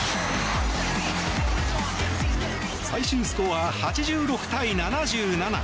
最終スコア８６対７７。